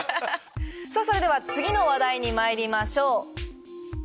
それでは次の話題にまいりましょう。